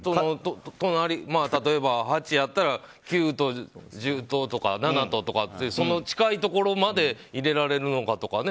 例えば、８やったら９と１０ととか近いところまでいれられるのかとかね。